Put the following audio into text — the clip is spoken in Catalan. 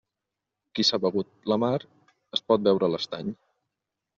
Qui s'ha begut la mar, es pot beure l'estany.